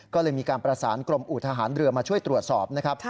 ก็เลยมีการประสานกรมอู่ทหารเรือมาช่วยตรวจสอบนะครับ